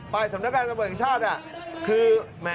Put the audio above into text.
ป้ายทำนักงานตำรวจแห่งชาติคือ